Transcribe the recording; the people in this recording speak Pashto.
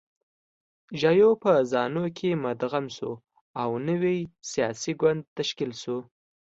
زاپو په زانو کې مدغم شو او نوی سیاسي ګوند تشکیل شو.